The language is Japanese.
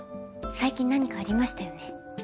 最近何かありましたよね？